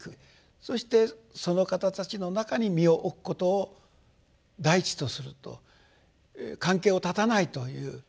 そしてその方たちの中に身を置くことを第一とすると関係を絶たないという。